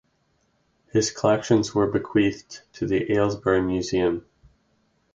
His collections were bequeathed to the Aylesbury Museum.